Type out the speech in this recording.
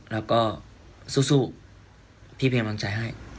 แล้วก็สู้พี่เพียงบังใจให้